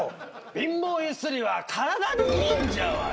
貧乏ゆすりは体にいいんじゃわい。